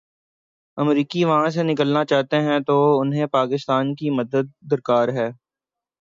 امریکی وہاں سے نکلنا چاہتے ہیں اور انہیں پاکستان کی مدد درکار ہے۔